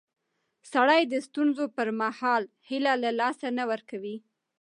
سړی د ستونزو پر مهال هیله له لاسه نه ورکوي